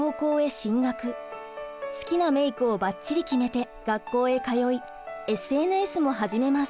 好きなメイクをばっちり決めて学校へ通いＳＮＳも始めます。